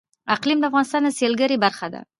اقلیم د افغانستان د سیلګرۍ برخه ده.